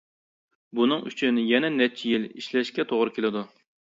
بۇنىڭ ئۈچۈن يەنە نەچچە يىل ئىشلەشكە توغرا كېلىدۇ.